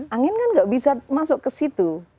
angin kan nggak bisa masuk ke situ